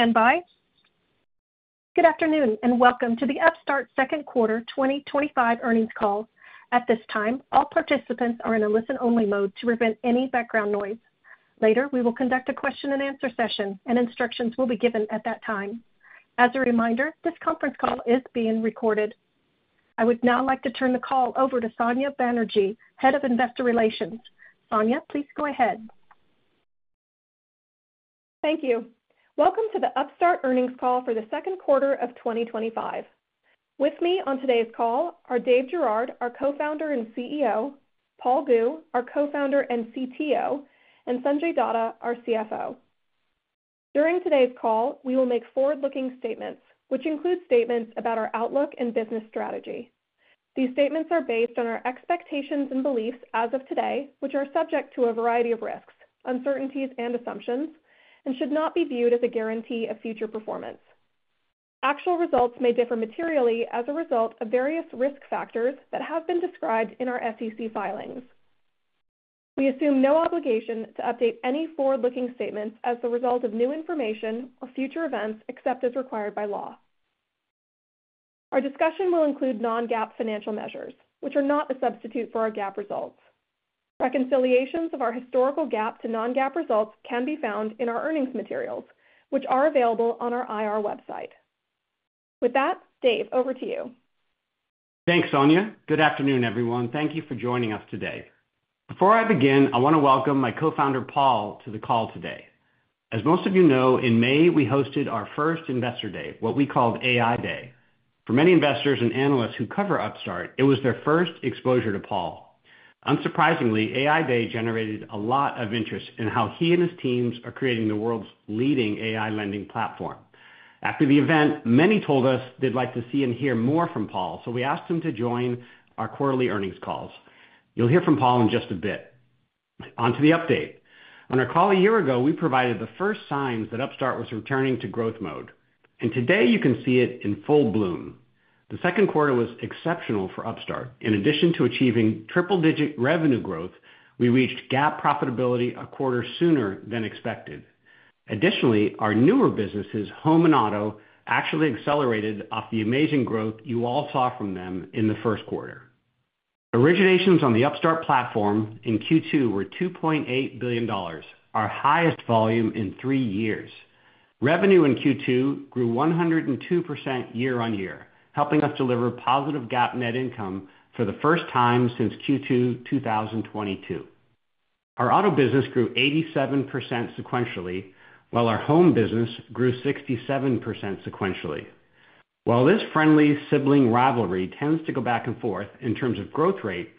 Please stand by. Good afternoon and welcome to the Upstart Second Quarter 2025 Earnings Call. At this time, all participants are in a listen-only mode to prevent any background noise. Later, we will conduct a question and answer session, and instructions will be given at that time. As a reminder, this conference call is being recorded. I would now like to turn the call over to Sonya Banerjee, Head of Investor Relations. Sonya, please go ahead. Thank you. Welcome to the Upstart Earnings Call for the Second Quarter of 2025. With me on today's call are Dave Girouard, our Co-founder and CEO, Paul Gu, our Co-founder and CTO, and Sanjay Datta, our CFO. During today's call, we will make forward-looking statements, which include statements about our outlook and business strategy. These statements are based on our expectations and beliefs as of today, which are subject to a variety of risks, uncertainties, and assumptions, and should not be viewed as a guarantee of future performance. Actual results may differ materially as a result of various risk factors that have been described in our SEC filings. We assume no obligation to update any forward-looking statements as the result of new information or future events, except as required by law. Our discussion will include non-GAAP financial measures, which are not a substitute for our GAAP results. Reconciliations of our historical GAAP to non-GAAP results can be found in our earnings materials, which are available on our IR website. With that, Dave, over to you. Thanks, Sonya. Good afternoon, everyone. Thank you for joining us today. Before I begin, I want to welcome my co-founder, Paul, to the call today. As most of you know, in May, we hosted our first Investor Day, what we called AI Day. For many investors and analysts who cover Upstart, it was their first exposure to Paul. Unsurprisingly, AI Day generated a lot of interest in how he and his teams are creating the world's leading AI lending platform. After the event, many told us they'd like to see and hear more from Paul, so we asked him to join our quarterly earnings calls. You'll hear from Paul in just a bit. On to the update. On our call a year ago, we provided the first signs that Upstart was returning to growth mode, and today you can see it in full bloom. The second quarter was exceptional for Upstart. In addition to achieving triple-digit revenue growth, we reached GAAP profitability a quarter sooner than expected. Additionally, our newer businesses, home and auto, actually accelerated off the amazing growth you all saw from them in the first quarter. Originations on the Upstart platform in Q2 were $2.8 billion, our highest volume in three years. Revenue in Q2 grew 102% year-on-year, helping us deliver positive GAAP net income for the first time since Q2 2022. Our auto business grew 87% sequentially, while our home business grew 67% sequentially. While this friendly sibling rivalry tends to go back and forth in terms of growth rate,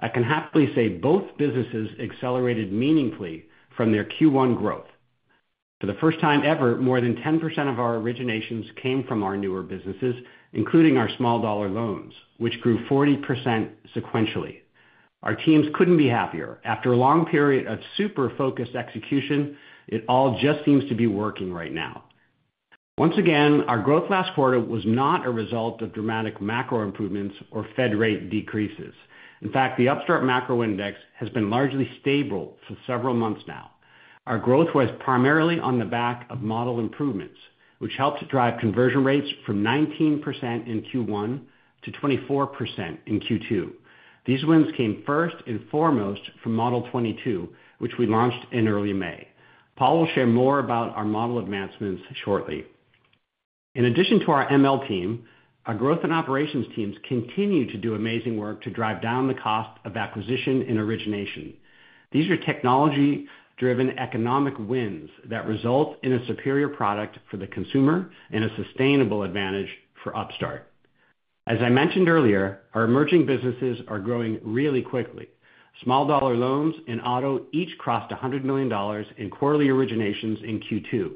I can happily say both businesses accelerated meaningfully from their Q1 growth. For the first time ever, more than 10% of our originations came from our newer businesses, including our small-dollar loans, which grew 40% sequentially. Our teams couldn't be happier. After a long period of super-focused execution, it all just seems to be working right now. Once again, our growth last quarter was not a result of dramatic macro improvements or Fed rate decreases. In fact, the Upstart Macro Index has been largely stable for several months now. Our growth was primarily on the back of model improvements, which helped drive conversion rates from 19% in Q1 to 24% in Q2. These wins came first and foremost from Model 22, which we launched in early May. Paul will share more about our model advancements shortly. In addition to our ML team, our growth and operations teams continue to do amazing work to drive down the cost of acquisition and origination. These are technology-driven economic wins that result in a superior product for the consumer and a sustainable advantage for Upstart. As I mentioned earlier, our emerging businesses are growing really quickly. Small-dollar loans and auto each crossed $100 million in quarterly originations in Q2,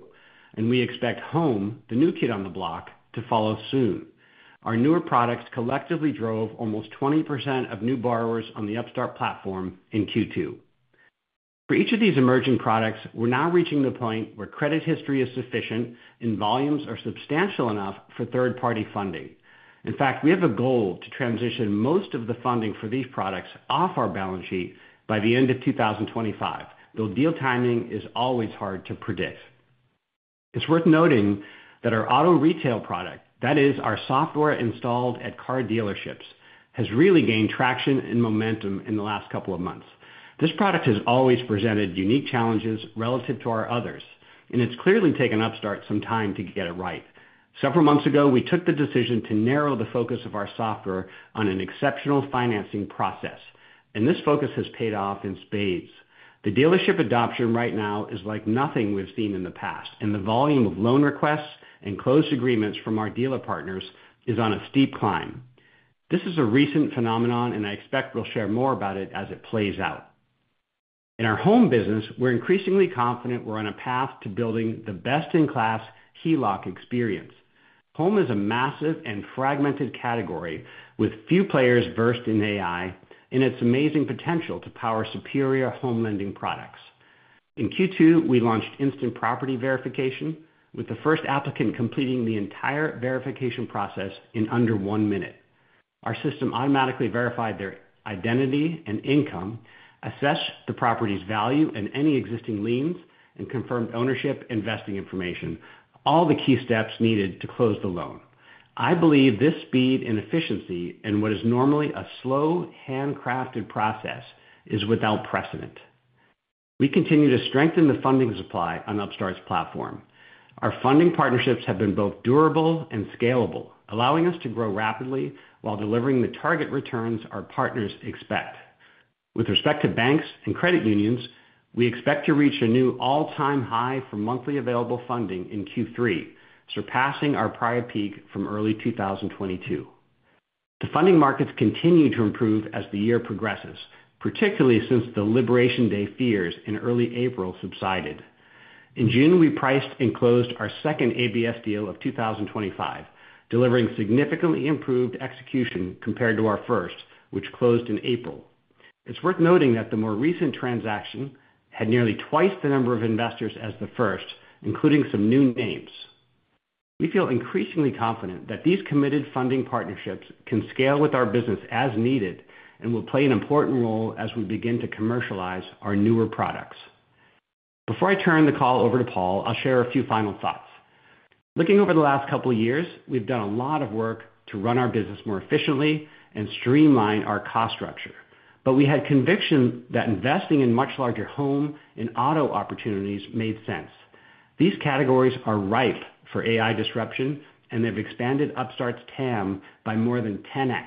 and we expect home, the new kid on the block, to follow soon. Our newer products collectively drove almost 20% of new borrowers on the Upstart platform in Q2. For each of these emerging products, we're now reaching the point where credit history is sufficient and volumes are substantial enough for third-party funding. In fact, we have a goal to transition most of the funding for these products off our balance sheet by the end of 2025, though deal timing is always hard to predict. It's worth noting that our automotive retail loans product, that is our software installed at car dealerships, has really gained traction and momentum in the last couple of months. This product has always presented unique challenges relative to our others, and it's clearly taken Upstart some time to get it right. Several months ago, we took the decision to narrow the focus of our software on an exceptional financing process, and this focus has paid off in spades. The dealership adoption right now is like nothing we've seen in the past, and the volume of loan requests and closed agreements from our dealer partners is on a steep climb. This is a recent phenomenon, and I expect we'll share more about it as it plays out. In our home business, we're increasingly confident we're on a path to building the best-in-class HELOC experience. Home is a massive and fragmented category with few players versed in AI and its amazing potential to power superior home lending products. In Q2, we launched instant property verification, with the first applicant completing the entire verification process in under one minute. Our system automatically verified their identity and income, assessed the property's value and any existing liens, and confirmed ownership and vesting information, all the key steps needed to close the loan. I believe this speed and efficiency in what is normally a slow, handcrafted process is without precedent. We continue to strengthen the funding supply on Upstart's platform. Our funding partnerships have been both durable and scalable, allowing us to grow rapidly while delivering the target returns our partners expect. With respect to banks and credit unions, we expect to reach a new all-time high for monthly available funding in Q3, surpassing our prior peak from early 2022. The funding markets continue to improve as the year progresses, particularly since the Liberation Day fears in early April subsided. In June, we priced and closed our second ABS deal of 2025, delivering significantly improved execution compared to our first, which closed in April. It's worth noting that the more recent transaction had nearly twice the number of investors as the first, including some new names. We feel increasingly confident that these committed funding partnerships can scale with our business as needed and will play an important role as we begin to commercialize our newer products. Before I turn the call over to Paul, I'll share a few final thoughts. Looking over the last couple of years, we've done a lot of work to run our business more efficiently and streamline our cost structure, but we had conviction that investing in much larger home and auto opportunities made sense. These categories are ripe for AI disruption, and they've expanded Upstart's total addressable market by more than 10x.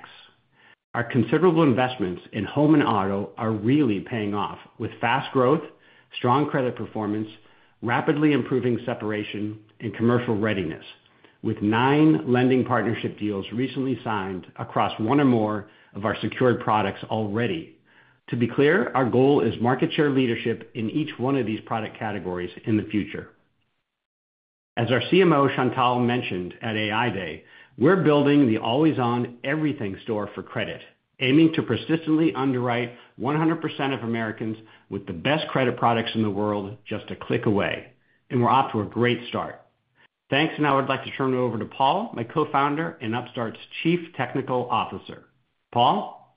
Our considerable investments in home and auto are really paying off with fast growth, strong credit performance, rapidly improving separation and commercial readiness, with nine lending partnership deals recently signed across one or more of our secured products already. To be clear, our goal is market share leadership in each one of these product categories in the future. As our CMO, Chantal, mentioned at AI Day, we're building the always-on everything store for credit, aiming to persistently underwrite 100% of Americans with the best credit products in the world just a click away, and we're off to a great start. Thanks, and now I'd like to turn it over to Paul, my co-founder and Upstart's Chief Technology Officer. Paul?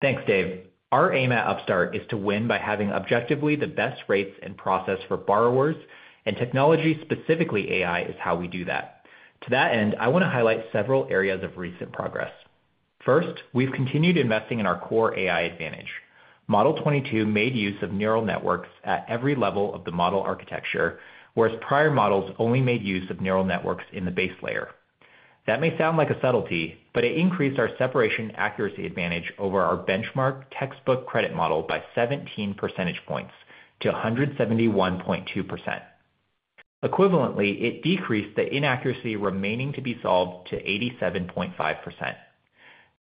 Thanks, Dave. Our aim at Upstart is to win by having objectively the best rates and process for borrowers, and technology, specifically AI, is how we do that. To that end, I want to highlight several areas of recent progress. First, we've continued investing in our core AI advantage. Model 22 made use of neural networks at every level of the model architecture, whereas prior models only made use of neural networks in the base layer. That may sound like a subtlety, but it increased our separation accuracy advantage over our benchmark textbook credit model by 17 percentage points to 171.2%. Equivalently, it decreased the inaccuracy remaining to be solved to 87.5%.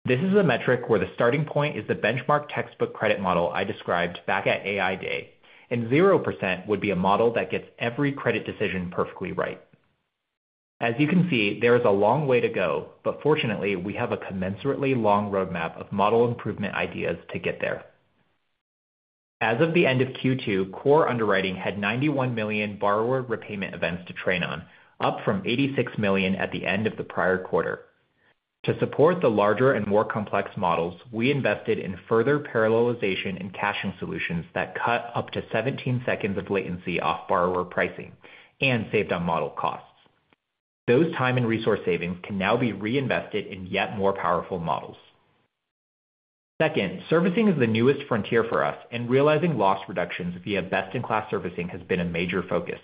This is a metric where the starting point is the benchmark textbook credit model I described back at AI Day, and 0% would be a model that gets every credit decision perfectly right. As you can see, there is a long way to go, but fortunately, we have a commensurately long roadmap of model improvement ideas to get there. As of the end of Q2, core underwriting had 91 million borrower repayment events to train on, up from 86 million at the end of the prior quarter. To support the larger and more complex models, we invested in further parallelization and caching solutions that cut up to 17 seconds of latency off borrower pricing and saved on model costs. Those time and resource savings can now be reinvested in yet more powerful models. Second, servicing is the newest frontier for us, and realizing loss reductions via best-in-class servicing has been a major focus.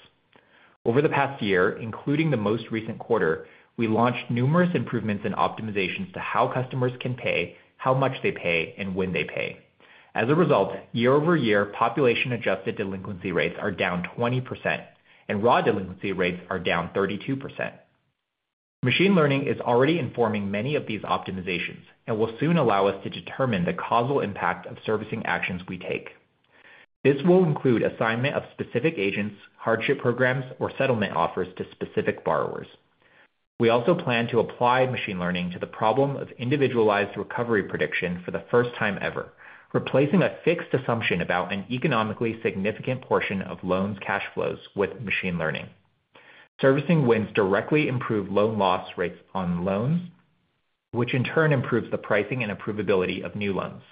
Over the past year, including the most recent quarter, we launched numerous improvements and optimizations to how customers can pay, how much they pay, and when they pay. As a result, year-over-year, population-adjusted delinquency rates are down 20%, and raw delinquency rates are down 32%. Machine learning is already informing many of these optimizations and will soon allow us to determine the causal impact of servicing actions we take. This will include assignment of specific agents, hardship programs, or settlement offers to specific borrowers. We also plan to apply machine learning to the problem of individualized recovery prediction for the first time ever, replacing a fixed assumption about an economically significant portion of loans' cash flows with machine learning. Servicing wins directly improve loan loss rates on loans, which in turn improves the pricing and approvability of new loans.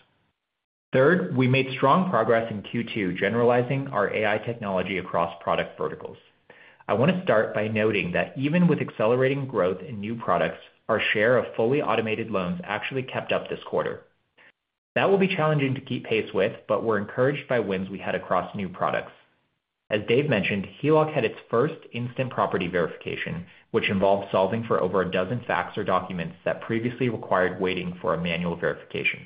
Third, we made strong progress in Q2 generalizing our AI technology across product verticals. I want to start by noting that even with accelerating growth in new products, our share of fully automated loans actually kept up this quarter. That will be challenging to keep pace with, but we're encouraged by wins we had across new products. As Dave mentioned, HELOC had its first instant property verification, which involved solving for over a dozen facts or documents that previously required waiting for a manual verification.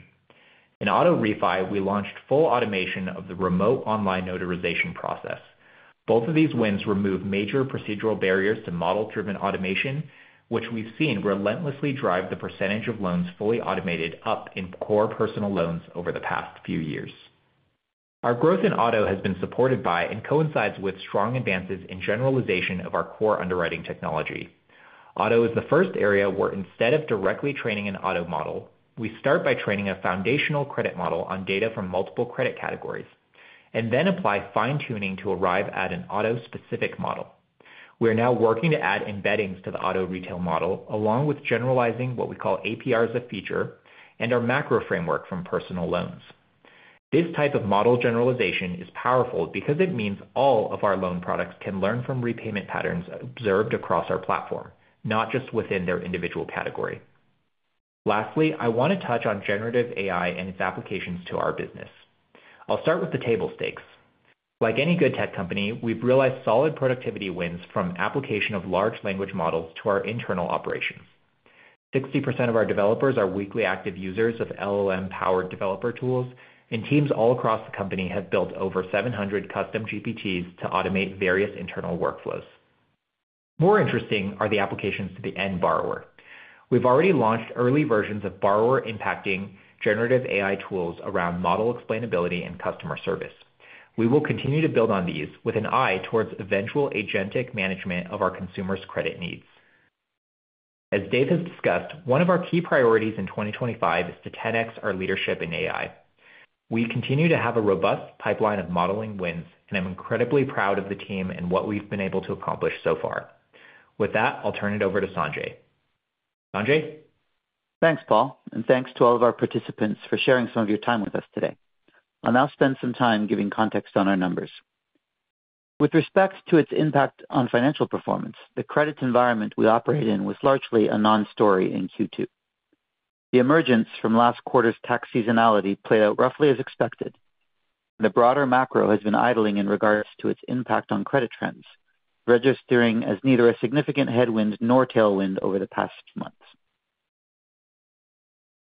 In auto refi, we launched full automation of the remote online notarization process. Both of these wins remove major procedural barriers to model-driven automation, which we've seen relentlessly drive the percentage of loans fully automated up in core personal loans over the past few years. Our growth in auto has been supported by and coincides with strong advances in generalization of our core underwriting technology. Auto is the first area where, instead of directly training an auto model, we start by training a foundational credit model on data from multiple credit categories and then apply fine-tuning to arrive at an auto-specific model. We are now working to add embeddings to the automotive retail model, along with generalizing what we call APRs of feature and our macro framework from personal loans. This type of model generalization is powerful because it means all of our loan products can learn from repayment patterns observed across our platform, not just within their individual category. Lastly, I want to touch on generative AI and its applications to our business. I'll start with the table stakes. Like any good tech company, we've realized solid productivity wins from the application of large language models to our internal operations. 60% of our developers are weekly active users of LLM-powered developer tools, and teams all across the company have built over 700 custom GPTs to automate various internal workflows. More interesting are the applications to the end borrower. We've already launched early versions of borrower-impacting generative AI tools around model explainability and customer service. We will continue to build on these with an eye towards eventual agentic management of our consumers' credit needs. As Dave has discussed, one of our key priorities in 2025 is to 10x our leadership in AI. We continue to have a robust pipeline of modeling wins, and I'm incredibly proud of the team and what we've been able to accomplish so far. With that, I'll turn it over to Sanjay. Sanjay? Thanks, Paul, and thanks to all of our participants for sharing some of your time with us today. I'll now spend some time giving context on our numbers. With respect to its impact on financial performance, the credits environment we operate in was largely a non-story in Q2. The emergence from last quarter's tax seasonality played out roughly as expected, and the broader macro has been idling in regards to its impact on credit trends, registering as neither a significant headwind nor tailwind over the past months.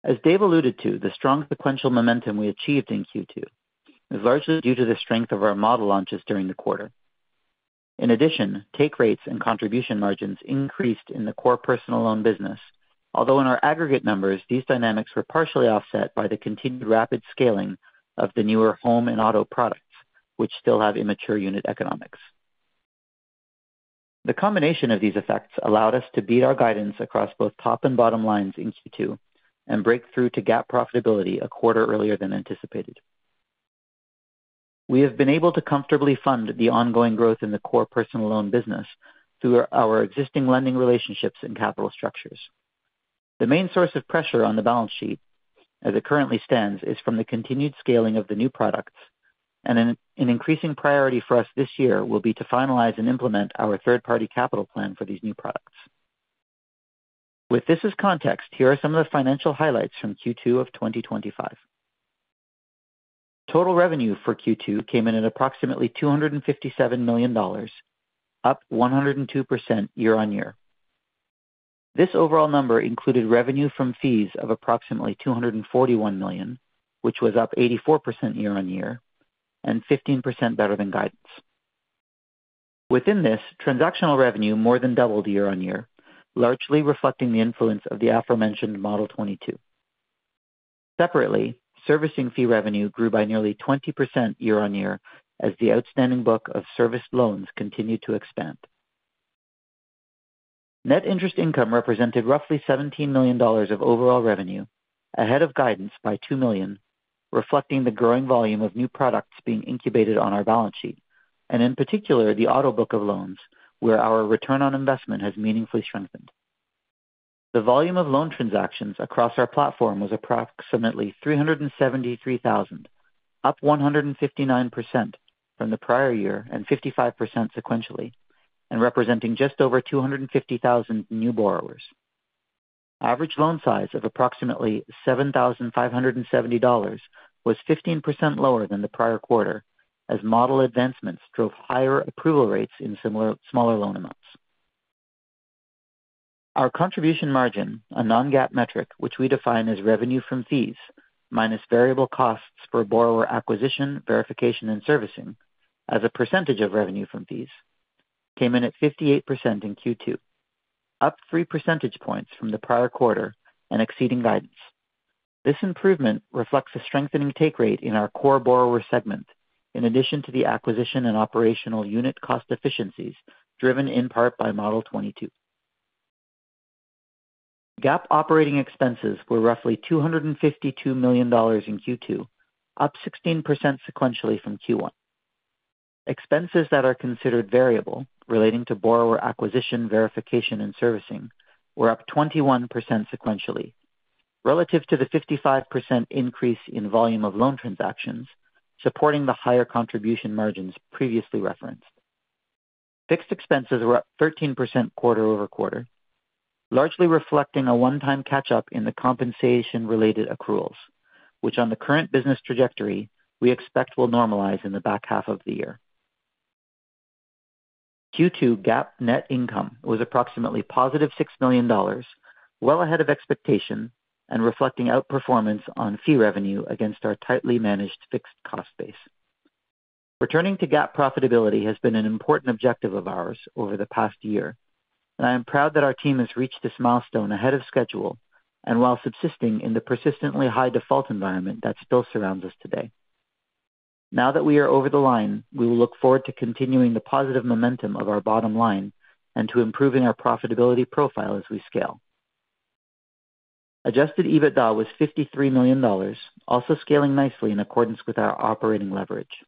As Dave alluded to, the strong sequential momentum we achieved in Q2 is largely due to the strength of our model launches during the quarter. In addition, take rates and contribution margins increased in the core personal loan business, although in our aggregate numbers, these dynamics were partially offset by the continued rapid scaling of the newer home and auto products, which still have immature unit economics. The combination of these effects allowed us to beat our guidance across both top and bottom lines in Q2 and break through to GAAP profitability a quarter earlier than anticipated. We have been able to comfortably fund the ongoing growth in the core personal loan business through our existing lending relationships and capital structures. The main source of pressure on the balance sheet, as it currently stands, is from the continued scaling of the new products, and an increasing priority for us this year will be to finalize and implement our third-party capital plan for these new products. With this as context, here are some of the financial highlights from Q2 of 2025. Total revenue for Q2 came in at approximately $257 million, up 102% year-on-year. This overall number included revenue from fees of approximately $241 million, which was up 84% year-on-year and 15% better than guidance. Within this, transactional revenue more than doubled year-on-year, largely reflecting the influence of the aforementioned Model 22. Separately, servicing fee revenue grew by nearly 20% year-on-year as the outstanding book of serviced loans continued to expand. Net interest income represented roughly $17 million of overall revenue, ahead of guidance by $2 million, reflecting the growing volume of new products being incubated on our balance sheet, and in particular, the auto book of loans, where our return on investment has meaningfully strengthened. The volume of loan transactions across our platform was approximately $373 million, up 159% from the prior year and 55% sequentially, and representing just over 250,000 new borrowers. Average loan size of approximately $7,570 was 15% lower than the prior quarter, as model advancements drove higher approval rates in similar smaller loan amounts. Our contribution margin, a non-GAAP metric which we define as revenue from fees minus variable costs for borrower acquisition, verification, and servicing as a percentage of revenue from fees, came in at 58% in Q2, up three percentage points from the prior quarter and exceeding guidance. This improvement reflects a strengthening take rate in our core borrower segment, in addition to the acquisition and operational unit cost efficiencies driven in part by Model 22. GAAP operating expenses were roughly $252 million in Q2, up 16% sequentially from Q1. Expenses that are considered variable relating to borrower acquisition, verification, and servicing were up 21% sequentially, relative to the 55% increase in volume of loan transactions, supporting the higher contribution margins previously referenced. Fixed expenses were up 13% quarter-over-quarter, largely reflecting a one-time catch-up in the compensation-related accruals, which on the current business trajectory we expect will normalize in the back half of the year. Q2 GAAP net income was approximately +$6 million, well ahead of expectation and reflecting outperformance on fee revenue against our tightly managed fixed cost base. Returning to GAAP profitability has been an important objective of ours over the past year, and I am proud that our team has reached this milestone ahead of schedule and while subsisting in the persistently high default environment that still surrounds us today. Now that we are over the line, we will look forward to continuing the positive momentum of our bottom line and to improving our profitability profile as we scale. Adjusted EBITDA was $53 million, also scaling nicely in accordance with our operating leverage.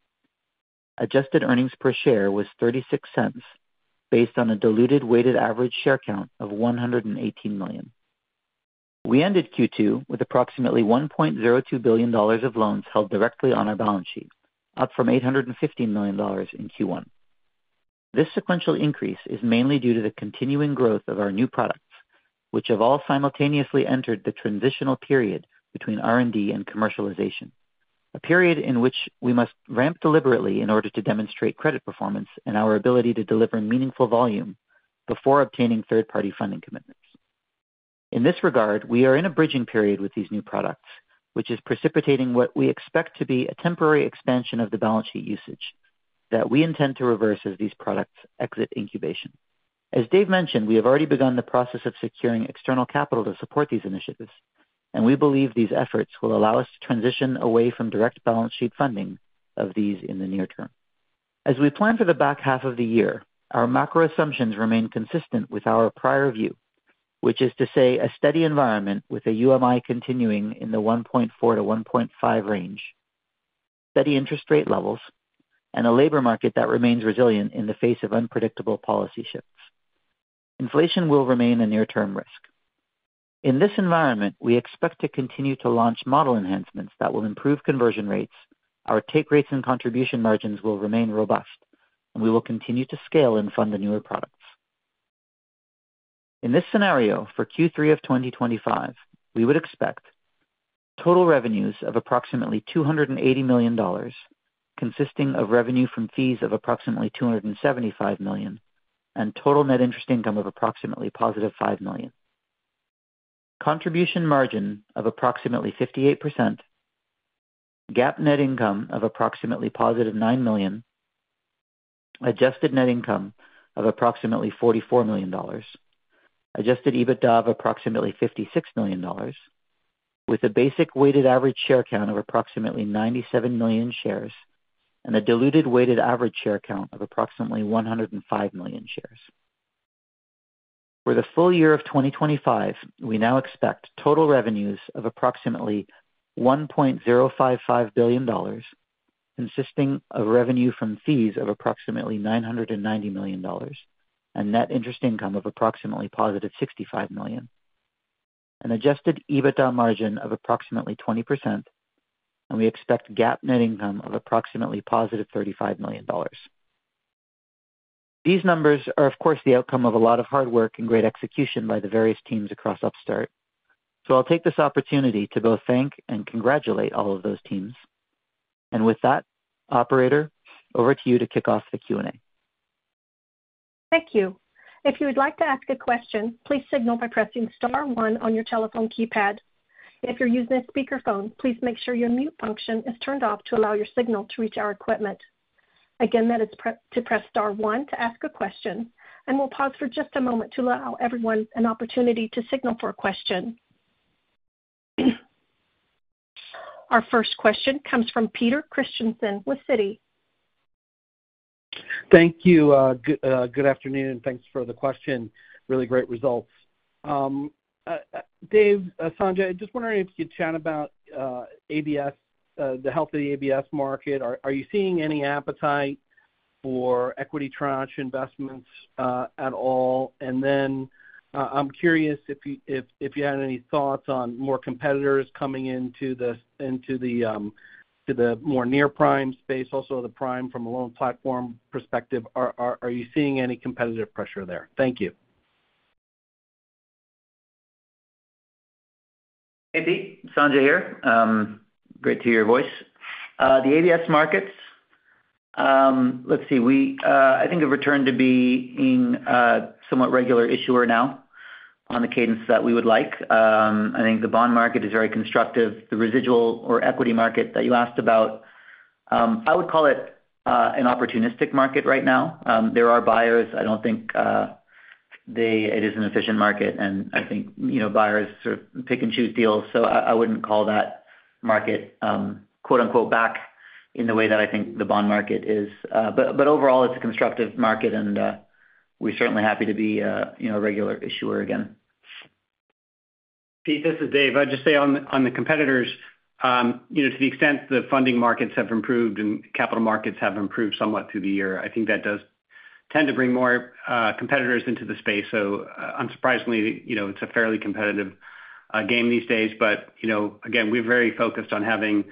Adjusted earnings per share was $0.36 based on a diluted weighted average share count of 118 million. We ended Q2 with approximately $1.02 billion of loans held directly on our balance sheet, up from $815 million in Q1. This sequential increase is mainly due to the continuing growth of our new products, which have all simultaneously entered the transitional period between R&D and commercialization, a period in which we must ramp deliberately in order to demonstrate credit performance and our ability to deliver meaningful volume before obtaining third-party funding commitments. In this regard, we are in a bridging period with these new products, which is precipitating what we expect to be a temporary expansion of the balance sheet usage that we intend to reverse as these products exit incubation. As Dave mentioned, we have already begun the process of securing external capital to support these initiatives, and we believe these efforts will allow us to transition away from direct balance sheet funding of these in the near term. As we plan for the back half of the year, our macro assumptions remain consistent with our prior view, which is to say a steady environment with a UMI continuing in the 1.4x-1.5x range, steady interest rate levels, and a labor market that remains resilient in the face of unpredictable policy shifts. Inflation will remain a near-term risk. In this environment, we expect to continue to launch model enhancements that will improve conversion rates, our take rates and contribution margins will remain robust, and we will continue to scale and fund the newer products. In this scenario for Q3 of 2025, we would expect total revenues of approximately $280 million, consisting of revenue from fees of approximately $275 million, and total net interest income of approximately +$5 million. Contribution margin of approximately 58%, GAAP net income of approximately +$9 million, adjusted net income of approximately $44 million, adjusted EBITDA of approximately $56 million, with a basic weighted average share count of approximately 97 million shares and a diluted weighted average share count of approximately 105 million shares. For the full year of 2025, we now expect total revenues of approximately $1.055 billion, consisting of revenue from fees of approximately $990 million and net interest income of approximately +$65 million, an adjusted EBITDA margin of approximately 20%, and we expect GAAP net income of approximately +$35 million. These numbers are, of course, the outcome of a lot of hard work and great execution by the various teams across Upstart. I will take this opportunity to both thank and congratulate all of those teams. Operator, over to you to kick off the Q&A. Thank you. If you would like to ask a question, please signal by pressing star one on your telephone keypad. If you're using a speakerphone, please make sure your mute function is turned off to allow your signal to reach our equipment. Again, that is to press star one to ask a question. We'll pause for just a moment to allow everyone an opportunity to signal for a question. Our first question comes from Peter Christiansen with Citi. Thank you. Good afternoon, and thanks for the question. Really great results. Dave, Sanjay, I'm just wondering if you could chat about the health of the ABS market. Are you seeing any appetite for equity tranche investments at all? I'm curious if you had any thoughts on more competitors coming into the more near prime space, also the prime from a loan platform perspective. Are you seeing any competitive pressure there? Thank you. Hey, Pete. Sanjay here. Great to hear your voice. The ABS markets, let's see, I think have returned to being a somewhat regular issuer now on the cadence that we would like. I think the bond market is very constructive. The residual or equity market that you asked about, I would call it an opportunistic market right now. There are buyers. I don't think it is an efficient market, and I think buyers sort of pick and choose deals. I wouldn't call that market "back" in the way that I think the bond market is. Overall, it's a constructive market, and we're certainly happy to be a regular issuer again. Pete, this is Dave. I'd just say on the competitors, to the extent the funding markets have improved and capital markets have improved somewhat through the year, I think that does tend to bring more competitors into the space. It is unsurprisingly a fairly competitive game these days. Again, we're very focused on having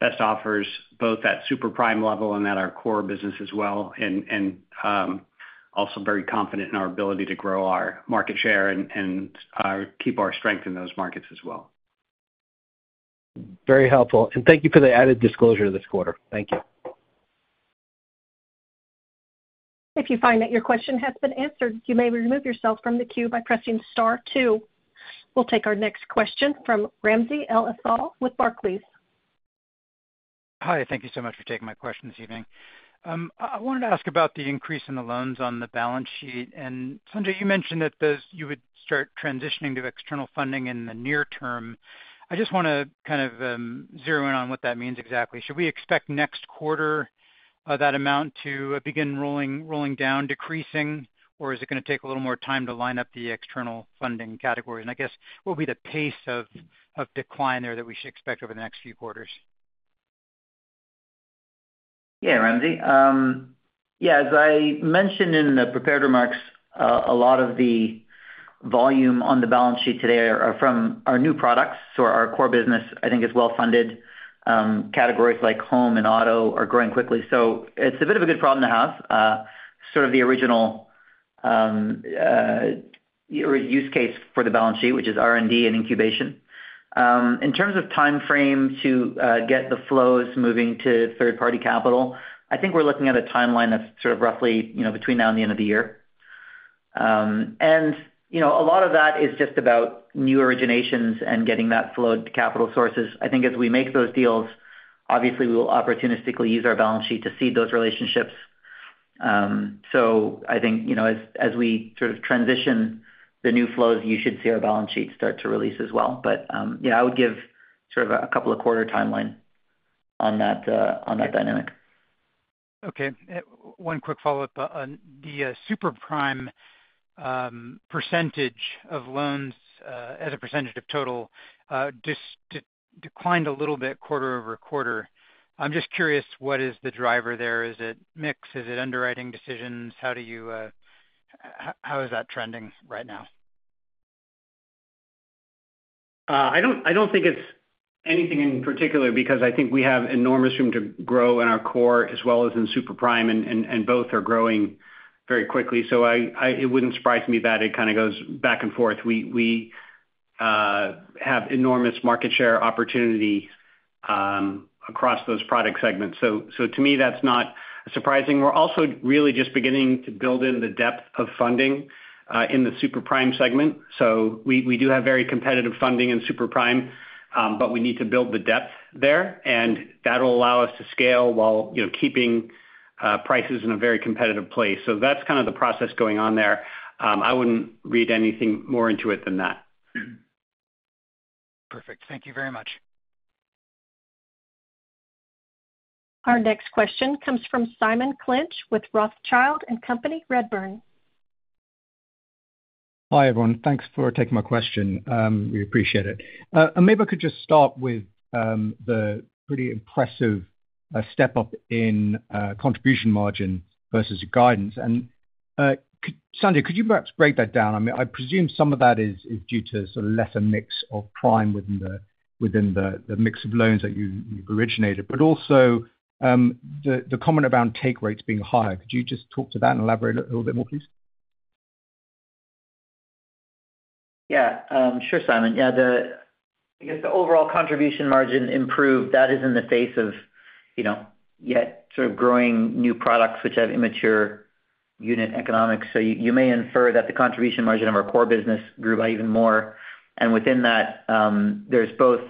best offers both at super prime level and at our core business as well, and also very confident in our ability to grow our market share and keep our strength in those markets as well. Very helpful. Thank you for the added disclosure this quarter. Thank you. If you find that your question has been answered, you may remove yourself from the queue by pressing star two. We'll take our next question from Ramsey El-Assal with Barclays. Hi. Thank you so much for taking my question this evening. I wanted to ask about the increase in the loans on the balance sheet. Sanjay, you mentioned that you would start transitioning to external funding in the near term. I just want to kind of zero in on what that means exactly. Should we expect next quarter that amount to begin rolling down, decreasing, or is it going to take a little more time to line up the external funding categories? What would be the pace of decline there that we should expect over the next few quarters? Yeah, Ramsey. As I mentioned in the prepared remarks, a lot of the volume on the balance sheet today are from our new products. Our core business, I think, is well funded. Categories like home and auto are growing quickly. It's a bit of a good problem to have, sort of the original use case for the balance sheet, which is R&D and incubation. In terms of time frame to get the flows moving to third-party capital, I think we're looking at a timeline that's roughly between now and the end of the year. A lot of that is just about new originations and getting that flow to capital sources. I think as we make those deals, obviously, we will opportunistically use our balance sheet to seed those relationships. I think as we sort of transition the new flows, you should see our balance sheet start to release as well. I would give sort of a couple of quarter timeline on that dynamic. OK. One quick follow-up. The super prime percentage of loans as a percentage of total declined a little bit quarter-over-quarter. I'm just curious, what is the driver there? Is it mix? Is it underwriting decisions? How is that trending right now? I don't think it's anything in particular because I think we have enormous room to grow in our core as well as in super prime, and both are growing very quickly. It wouldn't surprise me that it kind of goes back and forth. We have enormous market share opportunity across those product segments. To me, that's not surprising. We're also really just beginning to build in the depth of funding in the super prime segment. We do have very competitive funding in super prime, but we need to build the depth there, and that will allow us to scale while keeping prices in a very competitive place. That's kind of the process going on there. I wouldn't read anything more into it than that. Perfect. Thank you very much. Our next question comes from Simon Clinch with Rothschild & Co Redburn. Hi, everyone. Thanks for taking my question. We appreciate it. Maybe I could just start with the pretty impressive step up in contribution margin versus guidance. Sanjay, could you perhaps break that down? I presume some of that is due to less a mix of prime within the mix of loans that you've originated, but also the comment about take rates being higher. Could you just talk to that and elaborate a little bit more, please? Yeah, sure, Simon. I guess the overall contribution margin improved. That is in the face of yet sort of growing new products, which have immature unit economics. You may infer that the contribution margin of our core business grew by even more. Within that, there's both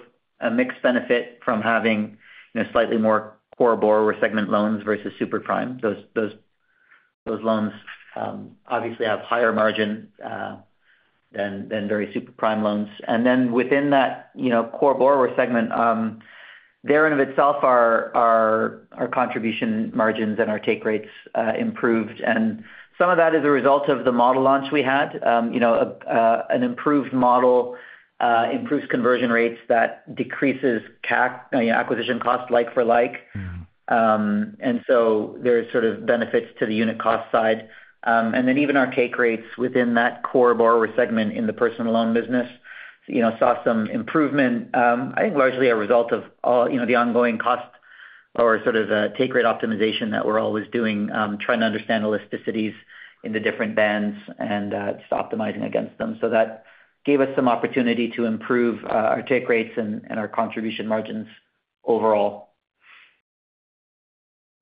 a mix benefit from having slightly more core borrower segment loans versus super prime. Those loans obviously have higher margin than very super prime loans. Within that core borrower segment, there in and of itself, our contribution margins and our take rates improved. Some of that is a result of the model launch we had. An improved model improves conversion rates, that decreases acquisition cost like for like. There are benefits to the unit cost side. Even our take rates within that core borrower segment in the personal loan business saw some improvement, I think largely a result of the ongoing cost or sort of take rate optimization that we're always doing, trying to understand elasticities in the different bands and optimizing against them. That gave us some opportunity to improve our take rates and our contribution margins overall.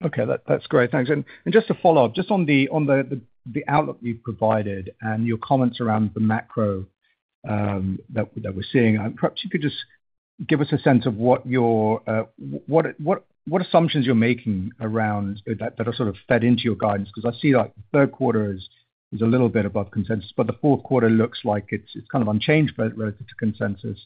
OK, that's great. Thanks. Just to follow up, on the outlook you provided and your comments around the macro that we're seeing, perhaps you could just give us a sense of what assumptions you're making around that are sort of fed into your guidance, because I see that third quarter is a little bit above consensus, but the fourth quarter looks like it's kind of unchanged relative to consensus.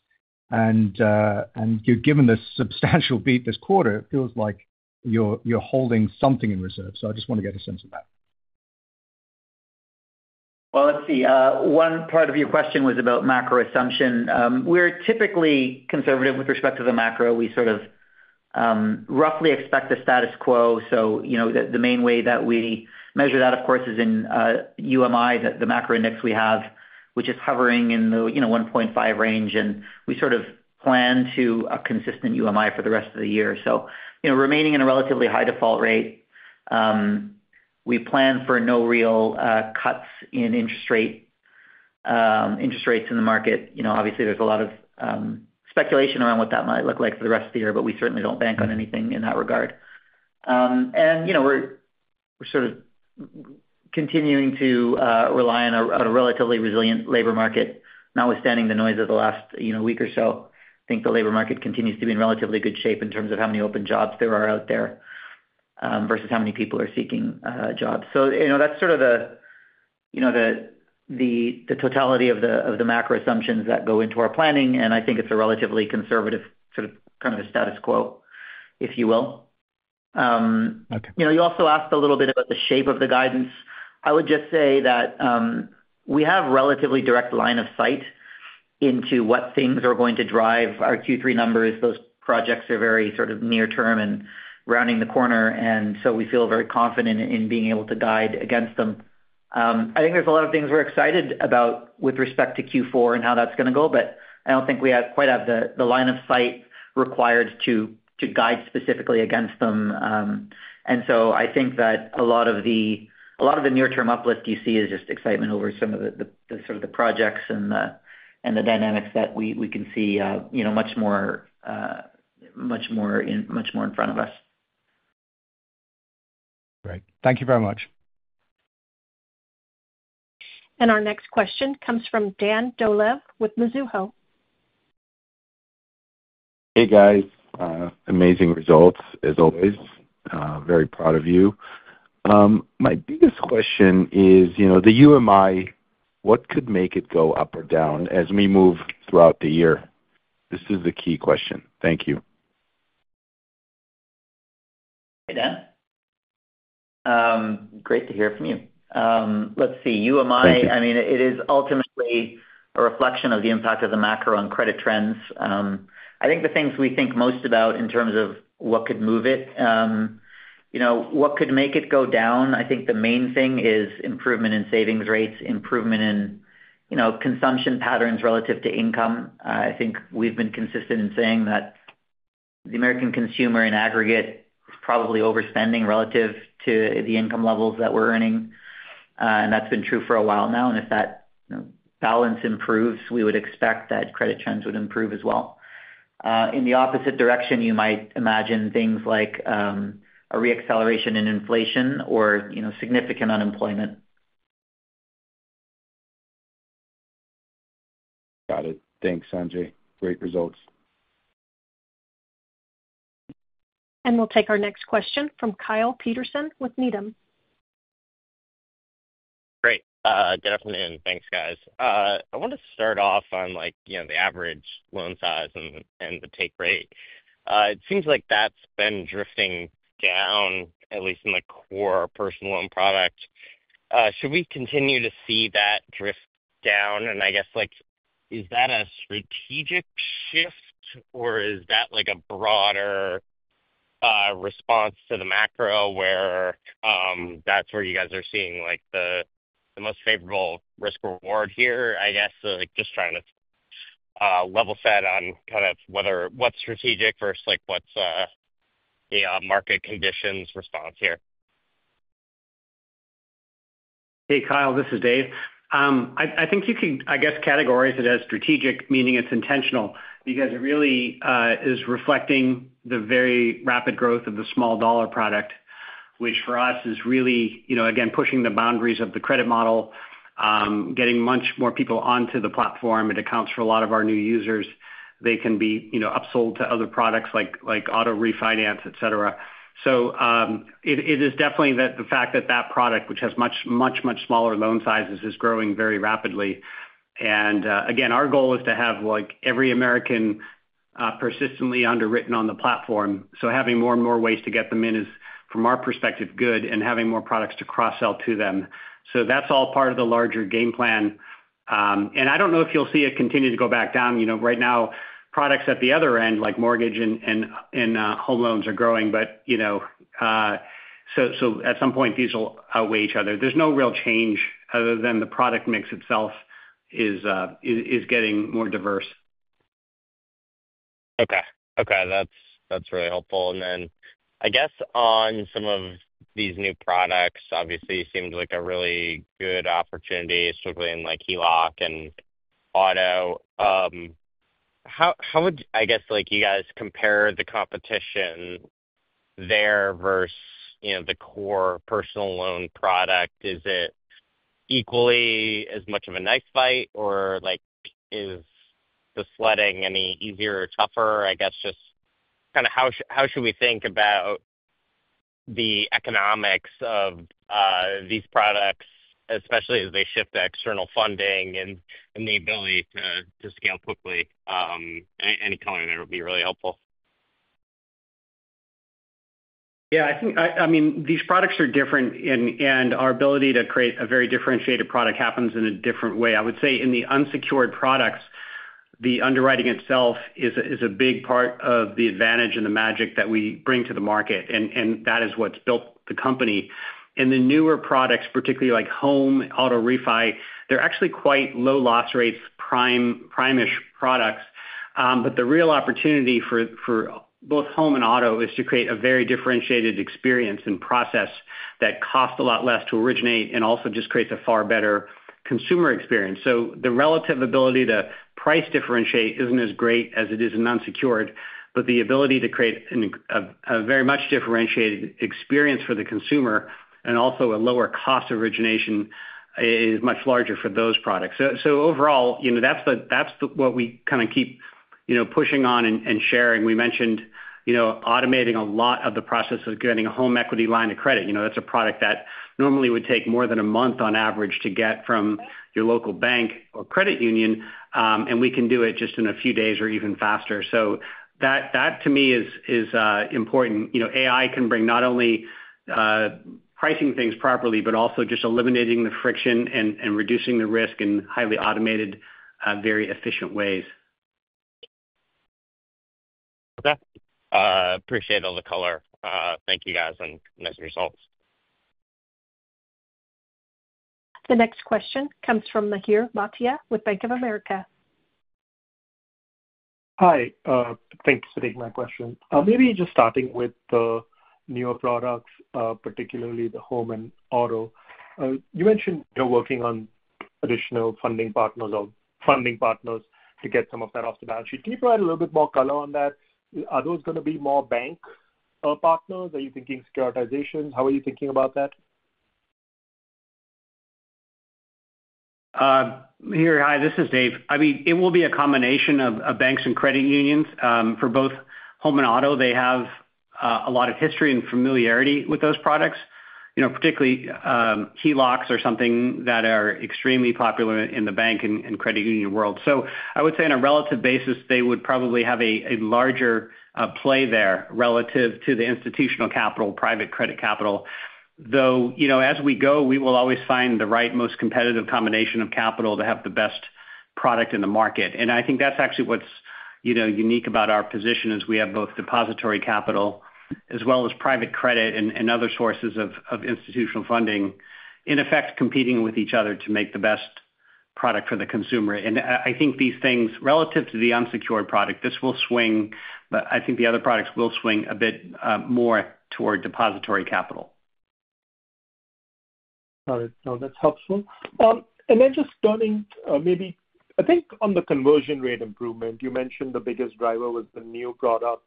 Given the substantial beat this quarter, it feels like you're holding something in reserve. I just want to get a sense of that. One part of your question was about macro assumption. We're typically conservative with respect to the macro. We sort of roughly expect the status quo. The main way that we measure that, of course, is in UMI, the macro index we have, which is hovering in the 1.5 range. We sort of plan to a consistent UMI for the rest of the year, remaining in a relatively high default rate. We plan for no real cuts in interest rates in the market. Obviously, there's a lot of speculation around what that might look like for the rest of the year, but we certainly don't bank on anything in that regard. We're sort of continuing to rely on a relatively resilient labor market, notwithstanding the noise of the last week or so. I think the labor market continues to be in relatively good shape in terms of how many open jobs there are out there versus how many people are seeking jobs. That's sort of the totality of the macro assumptions that go into our planning. I think it's a relatively conservative kind of status quo, if you will. You also asked a little bit about the shape of the guidance. I would just say that we have a relatively direct line of sight into what things are going to drive our Q3 numbers. Those projects are very sort of near term and rounding the corner, and we feel very confident in being able to guide against them. I think there's a lot of things we're excited about with respect to Q4 and how that's going to go, but I don't think we quite have the line of sight required to guide specifically against them. I think that a lot of the near-term uplift you see is just excitement over some of the projects and the dynamics that we can see much more in front of us. Great, thank you very much. Our next question comes from Dan Dolev with Mizuho. Hey, guys. Amazing results, as always. Very proud of you. My biggest question is, you know the UMI, what could make it go up or down as we move throughout the year? This is the key question. Thank you. Hey, Dan. Great to hear from you. Let's see. UMI, I mean, it is ultimately a reflection of the impact of the macro on credit trends. The things we think most about in terms of what could move it, what could make it go down, I think the main thing is improvement in savings rates, improvement in consumption patterns relative to income. We've been consistent in saying that the American consumer in aggregate is probably overspending relative to the income levels that we're earning, and that's been true for a while now. If that balance improves, we would expect that credit trends would improve as well. In the opposite direction, you might imagine things like a reacceleration in inflation or significant unemployment. Got it. Thanks, Sanjay. Great results. We will take our next question from Kyle Peterson with Needham. Great. Good afternoon. Thanks, guys. I want to start off on the average loan size and the take rate. It seems like that's been drifting down, at least in the core personal loan product. Should we continue to see that drift down? Is that a strategic shift, or is that a broader response to the macro, where that's where you guys are seeing the most favorable risk-reward here? I'm just trying to level set on what's strategic versus what's a market conditions response here. Hey, Kyle. This is Dave. I think you could, I guess, categorize it as strategic, meaning it's intentional because it really is reflecting the very rapid growth of the small-dollar product, which for us is really, again, pushing the boundaries of the credit model, getting much more people onto the platform. It accounts for a lot of our new users. They can be upsold to other products like auto refinance, etc. It is definitely that the fact that that product, which has much, much, much smaller loan sizes, is growing very rapidly. Our goal is to have every American persistently underwritten on the platform. Having more and more ways to get them in is, from our perspective, good, and having more products to cross-sell to them. That's all part of the larger game plan. I don't know if you'll see it continue to go back down. Right now, products at the other end, like home loans, are growing. At some point, these will outweigh each other. There's no real change other than the product mix itself is getting more diverse. OK, that's really helpful. I guess on some of these new products, obviously, it seems like a really good opportunity, especially in HELOC and auto. How would you guys compare the competition there versus the core personal loan product? Is it equally as much of a knife fight, or is the sledding any easier or tougher? Just kind of how should we think about the economics of these products, especially as they shift to external funding and the ability to scale quickly? Any comment there would be really helpful. Yeah, I think these products are different, and our ability to create a very differentiated product happens in a different way. I would say in the unsecured products, the underwriting itself is a big part of the advantage and the magic that we bring to the market, and that is what's built the company. In the newer products, particularly like home auto refi, they're actually quite low loss rates, prime-ish products. The real opportunity for both home and auto is to create a very differentiated experience and process that costs a lot less to originate and also just creates a far better consumer experience. The relative ability to price differentiate isn't as great as it is in unsecured, but the ability to create a very much differentiated experience for the consumer and also a lower cost origination is much larger for those products. Overall, that's what we kind of keep pushing on and sharing. We mentioned automating a lot of the process of getting a home equity line of credit. That's a product that normally would take more than a month on average to get from your local bank or credit union, and we can do it just in a few days or even faster. That, to me, is important. AI can bring not only pricing things properly, but also just eliminating the friction and reducing the risk in highly automated, very efficient ways. OK. Appreciate all the color. Thank you, guys, and nice results. The next question comes from Mihir Bhatia with Bank of America. Hi. Thanks for taking my question. Maybe just starting with the newer products, particularly the home and auto, you mentioned you're working on additional funding partners or funding partners to get some of that off the balance sheet. Can you provide a little bit more color on that? Are those going to be more bank partners? Are you thinking securitizations? How are you thinking about that? Hi, this is Dave. It will be a combination of banks and credit unions. For both home and auto, they have a lot of history and familiarity with those products, particularly HELOCs are something that is extremely popular in the bank and credit union world. I would say on a relative basis, they would probably have a larger play there relative to the institutional capital, private credit capital. As we go, we will always find the right most competitive combination of capital to have the best product in the market. I think that's actually what's unique about our position, we have both depository capital as well as private credit and other sources of institutional funding in effect competing with each other to make the best product for the consumer. I think these things, relative to the unsecured product, this will swing, but I think the other products will swing a bit more toward depository capital. Got it. No, that's helpful. Turning maybe, I think on the conversion rate improvement, you mentioned the biggest driver was the new product,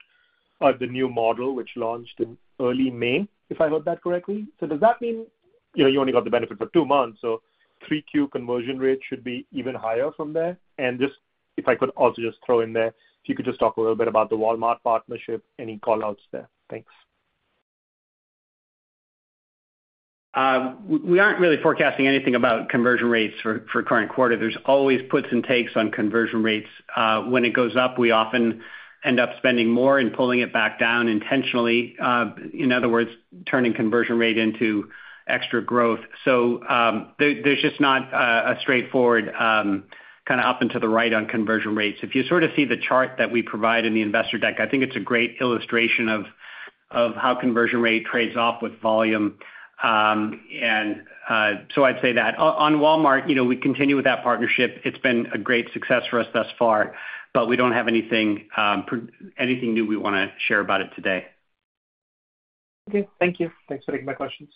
the new model, which launched in early May, if I heard that correctly. Does that mean you only got the benefit for two months, so 3Q conversion rate should be even higher from there? If I could also just throw in there, if you could just talk a little bit about the Walmart partnership, any callouts there? Thanks. We aren't really forecasting anything about conversion rates for the current quarter. There's always puts and takes on conversion rates. When it goes up, we often end up spending more and pulling it back down intentionally, in other words, turning conversion rate into extra growth. There's just not a straightforward kind of up and to the right on conversion rates. If you sort of see the chart that we provide in the investor deck, I think it's a great illustration of how conversion rate trades off with volume. I'd say that on Upstart, we continue with that partnership. It's been a great success for us thus far, but we don't have anything new we want to share about it today. OK, thank you. Thanks for taking my questions.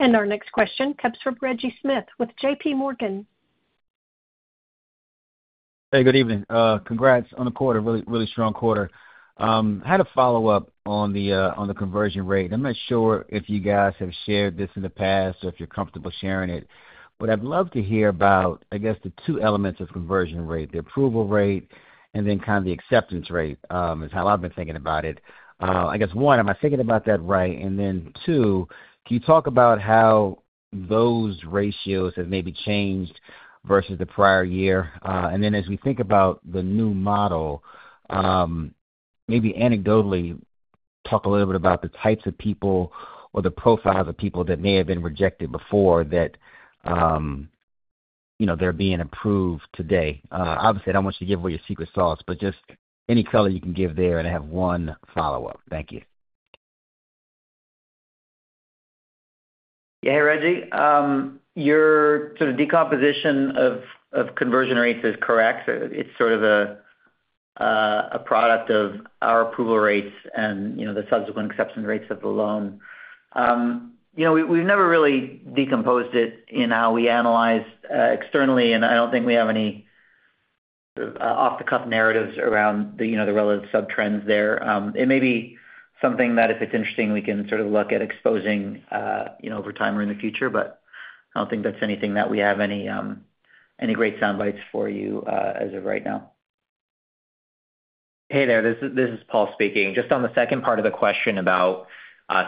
Our next question comes from Reggie Smith with JPMorgan. Hey, good evening. Congrats on the quarter. Really, really strong quarter. I had a follow-up on the conversion rate. I'm not sure if you guys have shared this in the past or if you're comfortable sharing it, but I'd love to hear about, I guess, the two elements of conversion rate, the approval rate, and then kind of the acceptance rate is how I've been thinking about it. I guess, one, am I thinking about that right? Two, can you talk about how those ratios have maybe changed versus the prior year? As we think about the new model, maybe anecdotally talk a little bit about the types of people or the profiles of people that may have been rejected before that they're being approved today. Obviously, I don't want you to give away your secret sauce, but just any color you can give there, and I have one follow-up. Thank you. Yeah, hey, Reggie. Your sort of decomposition of conversion rates is correct. It's sort of a product of our approval rates and the subsequent acceptance rates of the loan. We've never really decomposed it in how we analyze externally, and I don't think we have any off-the-cuff narratives around the relative subtrends there. It may be something that, if it's interesting, we can sort of look at exposing over time or in the future, but I don't think that's anything that we have any great sound bites for you as of right now. Hey, there. This is Paul speaking. Just on the second part of the question about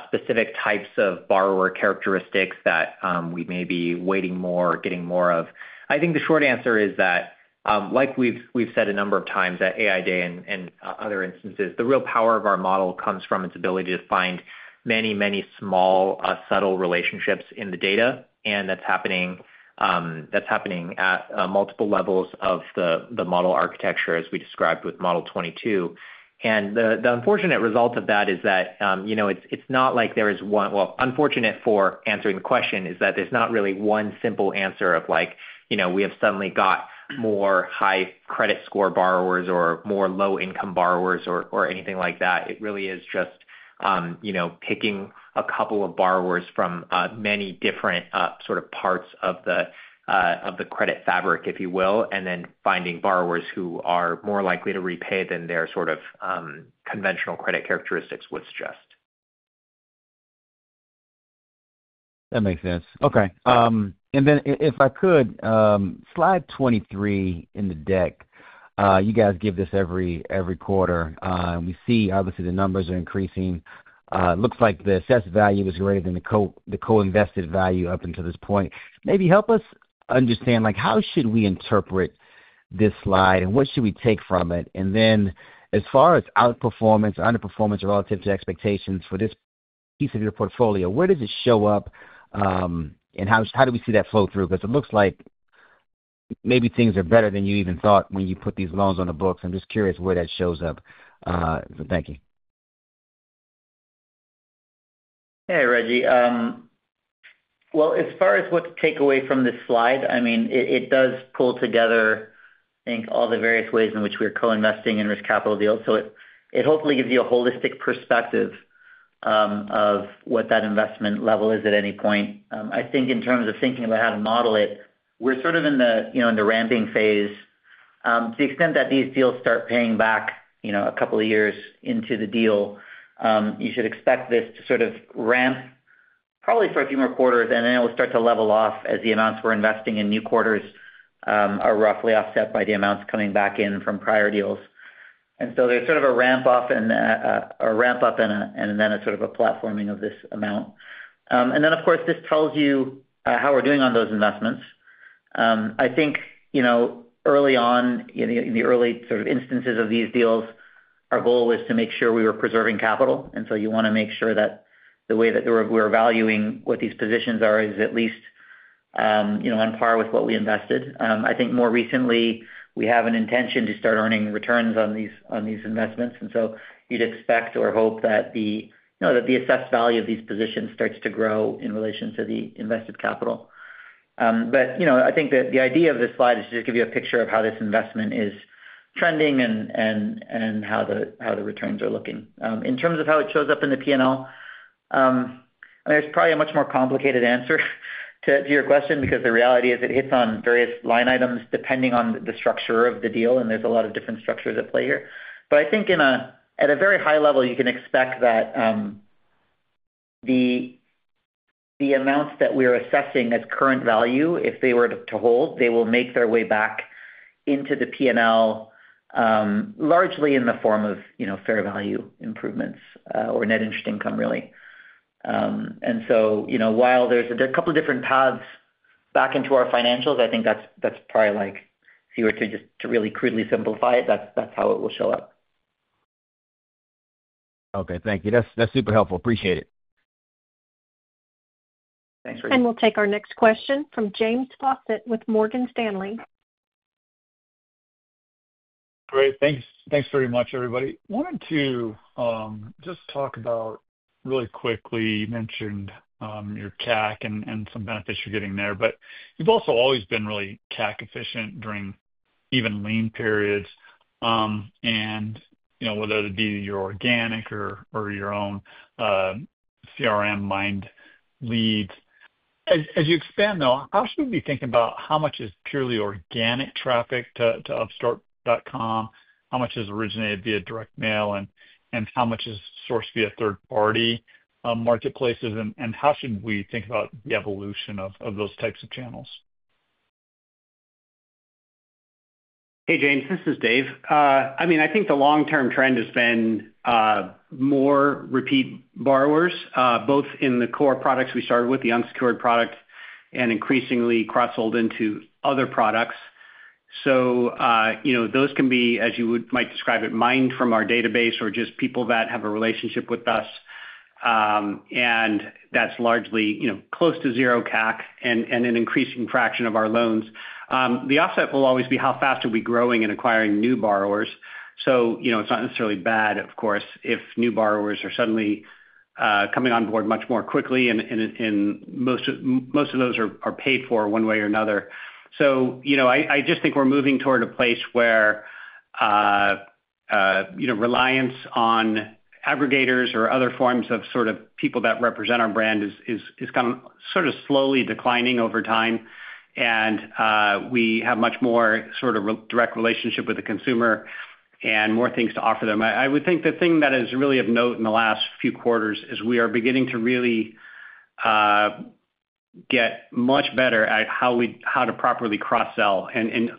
specific types of borrower characteristics that we may be weighting more or getting more of, I think the short answer is that, like we've said a number of times at AI Day and other instances, the real power of our model comes from its ability to find many, many small, subtle relationships in the data. That's happening at multiple levels of the model architecture, as we described with Model 22. The unfortunate result of that is that it's not like there is one, well, unfortunate for answering the question, is that there's not really one simple answer of like, we have suddenly got more high credit score borrowers or more low-income borrowers or anything like that. It really is just picking a couple of borrowers from many different sort of parts of the credit fabric, if you will, and then finding borrowers who are more likely to repay than their sort of conventional credit characteristics would suggest. That makes sense. OK. If I could, slide 23 in the deck, you guys give this every quarter. We see, obviously, the numbers are increasing. It looks like the assessed value is greater than the co-invested value up until this point. Maybe help us understand, how should we interpret this slide and what should we take from it? As far as outperformance or underperformance relative to expectations for this piece of your portfolio, where does it show up and how do we see that flow through? It looks like maybe things are better than you even thought when you put these loans on the books. I'm just curious where that shows up. Thank you. Hey, Reggie. As far as what to take away from this slide, it does pull together, I think, all the various ways in which we're co-investing in risk capital deals. It hopefully gives you a holistic perspective of what that investment level is at any point. I think in terms of thinking about how to model it, we're sort of in the ramping phase. To the extent that these deals start paying back a couple of years into the deal, you should expect this to sort of ramp probably for a few more quarters, and then it will start to level off as the amounts we're investing in new quarters are roughly offset by the amounts coming back in from prior deals. There's sort of a ramp up and then a sort of a platforming of this amount. Of course, this tells you how we're doing on those investments. I think early on, in the early sort of instances of these deals, our goal was to make sure we were preserving capital. You want to make sure that the way that we're valuing what these positions are is at least on par with what we invested. I think more recently, we have an intention to start earning returns on these investments. You'd expect or hope that the assessed value of these positions starts to grow in relation to the invested capital. I think that the idea of this slide is to just give you a picture of how this investment is trending and how the returns are looking. In terms of how it shows up in the P&L, there's probably a much more complicated answer to your question because the reality is it hits on various line items depending on the structure of the deal, and there's a lot of different structures at play here. I think at a very high level, you can expect that the amounts that we're assessing as current value, if they were to hold, they will make their way back into the P&L largely in the form of fair value improvements or net interest income, really. While there's a couple of different paths back into our financials, I think that's probably like, if you were to just really crudely simplify it, that's how it will show up. OK, thank you. That's super helpful. Appreciate it. Thanks, Reggie. We will take our next question from James Faucette with Morgan Stanley. Great. Thanks very much, everybody. Wanted to just talk about really quickly, you mentioned your CAC and some benefits you're getting there, but you've also always been really CAC efficient during even lean periods. Whether it be your organic or your own CRM mind leads, as you expand, how should we be thinking about how much is purely organic traffic to upstart.com, how much is originated via direct mail, and how much is sourced via third-party marketplaces? How should we think about the evolution of those types of channels? Hey, James. This is Dave. I think the long-term trend has been more repeat borrowers, both in the core products we started with, the unsecured product, and increasingly cross-sold into other products. Those can be, as you might describe it, mined from our database or just people that have a relationship with us. That's largely close to $0 CAC and an increasing fraction of our loans. The offset will always be how fast we are growing and acquiring new borrowers. It's not necessarily bad, of course, if new borrowers are suddenly coming on board much more quickly, and most of those are paid for one way or another. I think we're moving toward a place where reliance on aggregators or other forms of people that represent our brand is kind of slowly declining over time. We have much more direct relationship with the consumer and more things to offer them. I would think the thing that is really of note in the last few quarters is we are beginning to really get much better at how to properly cross-sell.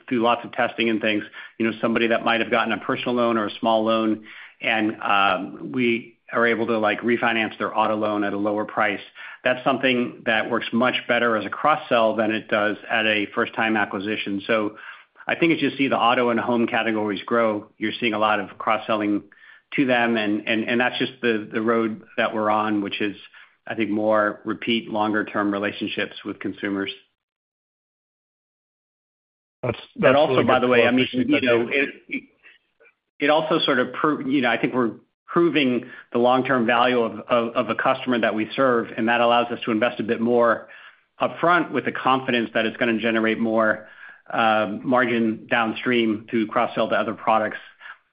Through lots of testing and things, somebody that might have gotten a personal loan or a small loan, and we are able to refinance their auto loan at a lower price, that's something that works much better as a cross-sell than it does at a first-time acquisition. I think as you see the auto and home categories grow, you're seeing a lot of cross-selling to them. That's just the road that we're on, which is, I think, more repeat longer-term relationships with consumers. That's great. It also sort of proves, I think we're proving the long-term value of a customer that we serve, and that allows us to invest a bit more upfront with the confidence that it's going to generate more margin downstream through cross-sell to other products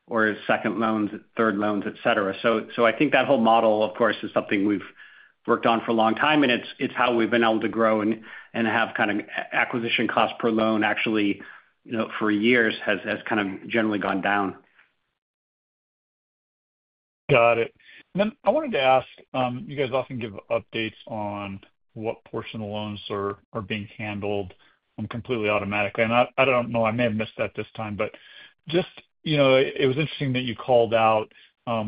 or second loans, third loans, etc. I think that whole model, of course, is something we've worked on for a long time, and it's how we've been able to grow and have kind of acquisition cost per loan actually for years has kind of generally gone down. Got it. I wanted to ask, you guys often give updates on what portion of the loans are being handled completely automatically. I don't know, I may have missed that this time, but it was interesting that you called out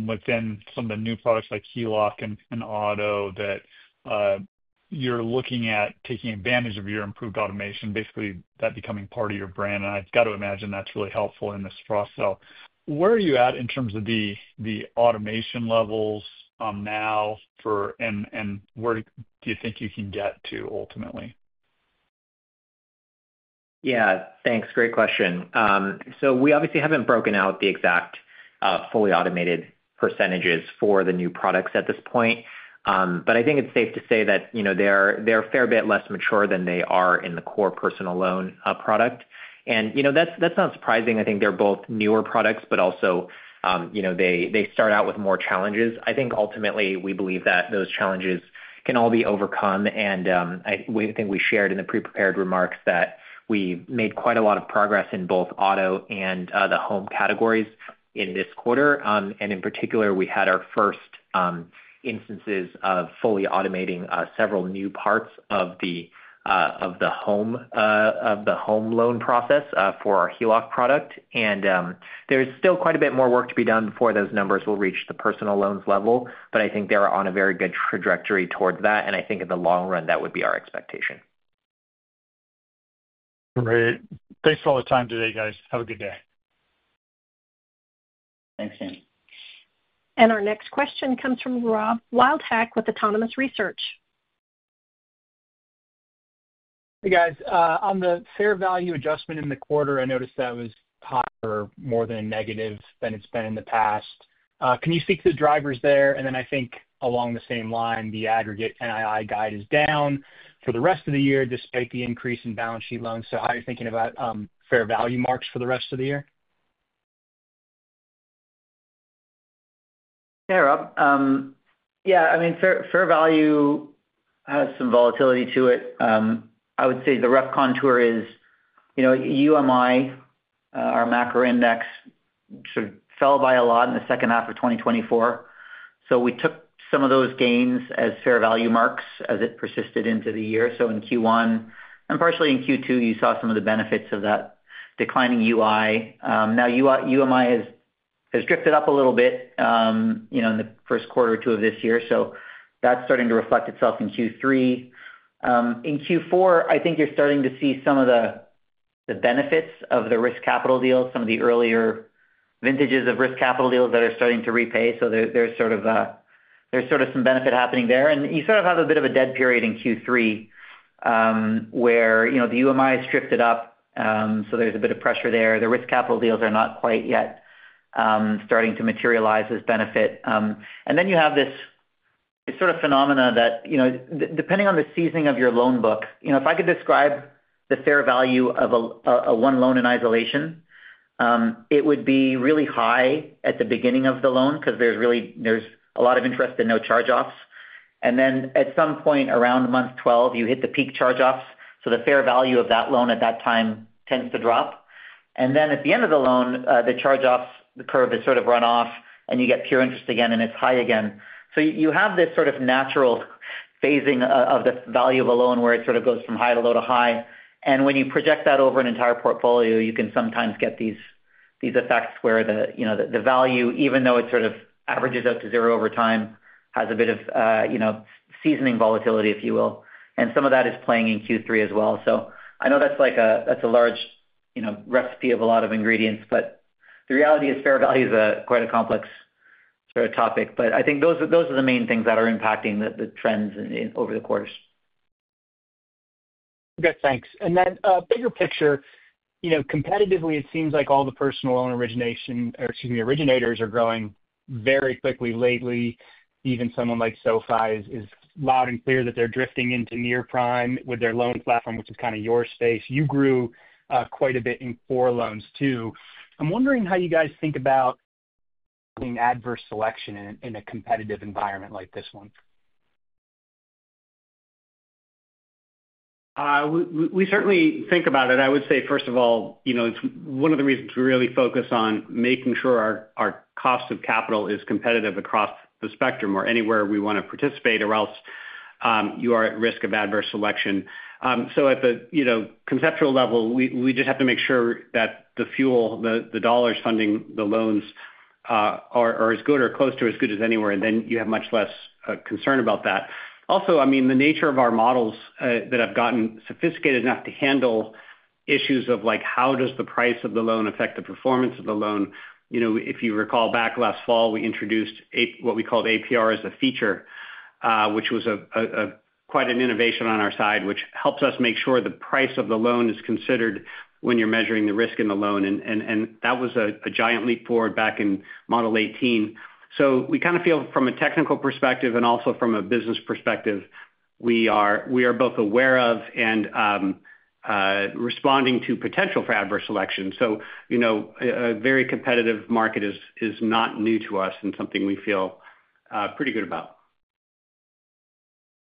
within some of the new products like HELOCs and auto that you're looking at taking advantage of your improved automation, basically that becoming part of your brand. I've got to imagine that's really helpful in this cross-sell. Where are you at in terms of the automation levels now, and where do you think you can get to ultimately? Yeah, thanks. Great question. We obviously haven't broken out the exact fully automated percentages for the new products at this point, but I think it's safe to say that they're a fair bit less mature than they are in the core personal loan product. That's not surprising. They're both newer products, but also they start out with more challenges. Ultimately, we believe that those challenges can all be overcome. I think we shared in the pre-prepared remarks that we made quite a lot of progress in both auto and the home categories in this quarter. In particular, we had our first instances of fully automating several new parts of the home loan process for our HELOC product. There's still quite a bit more work to be done before those numbers will reach the personal loans level, but I think they're on a very good trajectory toward that. In the long run, that would be our expectation. Great. Thanks for all the time today, guys. Have a good day. Thanks, James. Our next question comes from Rob Wildhack with Autonomous Research. Hey, guys. On the fair value adjustment in the quarter, I noticed that was higher or more of a negative than it's been in the past. Can you speak to the drivers there? I think along the same line, the aggregate NII guide is down for the rest of the year despite the increase in balance sheet loans. How are you thinking about fair value marks for the rest of the year? Hey, Rob. Yeah, I mean, fair value has some volatility to it. I would say the rough contour is UMI, our macro index, sort of fell by a lot in the second half of 2024. We took some of those gains as fair value marks as it persisted into the year. In Q1 and partially in Q2, you saw some of the benefits of that declining UMI. Now UMI has drifted up a little bit in the first quarter or two of this year, so that's starting to reflect itself in Q3. In Q4, I think you're starting to see some of the benefits of the risk capital deals, some of the earlier vintages of risk capital deals that are starting to repay. There's some benefit happening there. You have a bit of a dead period in Q3 where the UMI has drifted up, so there's a bit of pressure there. The risk capital deals are not quite yet starting to materialize as benefit. You have this sort of phenomena that, depending on the seasoning of your loan book, if I could describe the fair value of one loan in isolation, it would be really high at the beginning of the loan because there's a lot of interest and no charge-offs. At some point around month 12, you hit the peak charge-offs, so the fair value of that loan at that time tends to drop. At the end of the loan, the charge-offs, the curve is sort of run off, and you get pure interest again, and it's high again. You have this sort of natural phasing of the value of a loan where it goes from high to low to high. When you project that over an entire portfolio, you can sometimes get these effects where the value, even though it averages out to zero over time, has a bit of seasoning volatility, if you will. Some of that is playing in Q3 as well. I know that's a large recipe of a lot of ingredients, but the reality is fair value is quite a complex sort of topic. I think those are the main things that are impacting the trends over the quarters. OK, thanks. Bigger picture, competitively, it seems like all the personal loan originators are growing very quickly lately. Even someone like SoFi is loud and clear that they're drifting into near prime with their loan platform, which is kind of your space. You grew quite a bit in core loans too. I'm wondering how you guys think about doing adverse selection in a competitive environment like this one. We certainly think about it. I would say, first of all, it's one of the reasons we really focus on making sure our cost of capital is competitive across the spectrum or anywhere we want to participate, or else you are at risk of adverse selection. At the conceptual level, we just have to make sure that the fuel, the dollars funding the loans, are as good or close to as good as anywhere, and then you have much less concern about that. Also, the nature of our models that have gotten sophisticated enough to handle issues of how does the price of the loan affect the performance of the loan. If you recall back last fall, we introduced what we called APR as a feature, which was quite an innovation on our side, which helps us make sure the price of the loan is considered when you're measuring the risk in the loan. That was a giant leap forward back in Model 18. We kind of feel, from a technical perspective and also from a business perspective, we are both aware of and responding to potential for adverse selection. A very competitive market is not new to us and something we feel pretty good about.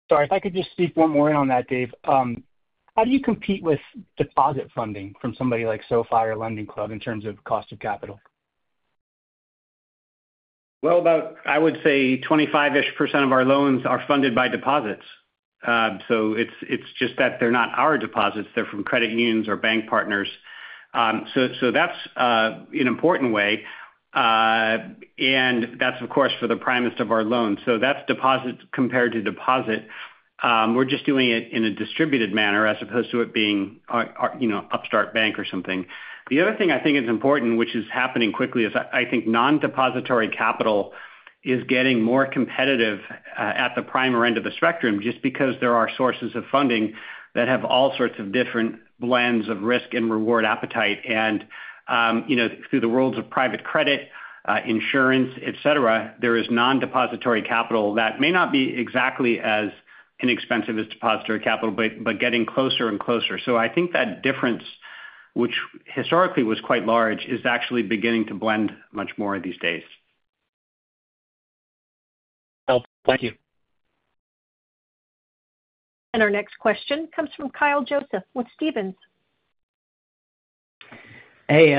Sorry, if I could just speak one more way on that, Dave. How do you compete with deposit funding from somebody like SoFi or LendingClub in terms of cost of capital? About, I would say, 25% of our loans are funded by deposits. It's just that they're not our deposits. They're from credit unions or bank partners. That's an important way, and that's, of course, for the primest of our loans. That's deposit compared to deposit. We're just doing it in a distributed manner as opposed to it being Upstart Bank or something. The other thing I think is important, which is happening quickly, is I think non-depository capital is getting more competitive at the primer end of the spectrum just because there are sources of funding that have all sorts of different blends of risk and reward appetite. Through the worlds of private credit, insurance, etc., there is non-depository capital that may not be exactly as inexpensive as depository capital, but getting closer and closer. I think that difference, which historically was quite large, is actually beginning to blend much more these days. OK, thank you. Our next question comes from Kyle Joseph with Stephens. Hey,